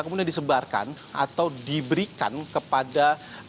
kemudian disebarkan atau diberikan kepada